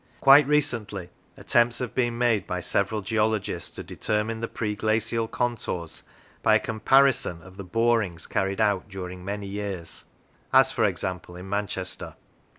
Quite recently attempts have been made by several geologists to determine the pre glacial contours by a comparison of the borings carried out during many years: as, for example, in Manchester.